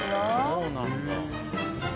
そうなんだ。